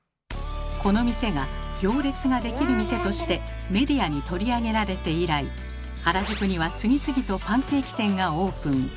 この店が「行列ができる店」としてメディアに取り上げられて以来原宿には次々とパンケーキ店がオープン。